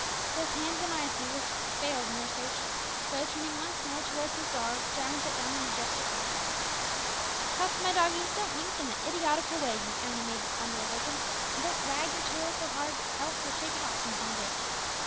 Both hands and eyes, however, failed in their search; so, turning once more towards his dog, Jarwin sat down and addressed it thus: "Cuff, my doggie, don't wink in that idiotical way, you hanimated bundle of oakum! and don't wag yer tail so hard, else you'll shake it off some fine day!